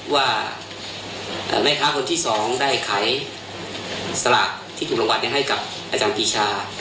ว่าแม่ค้าคนที่๒ได้ขายสลากที่ถูกรางวัลให้กับอาจารย์ปีชา